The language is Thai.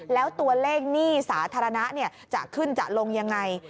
แล้วตัวเลขหนี้สาธารณะจะขึ้นจะลงยังไง